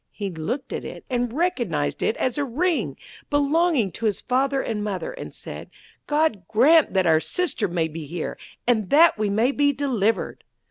He looked at it, and recognised it as a ring belonging to his father and mother, and said: 'God grant that our sister may be here, and that we may be delivered.'